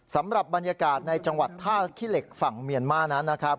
สำหรับบรรยากาศในจังหวัดท่าขี้เหล็กฝั่งเมียนมาร์นั้นนะครับ